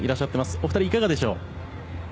お二人、いかがでしょう？